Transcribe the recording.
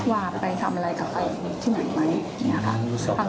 ว่าไปทำอะไรกับเขาที่ไหนไหม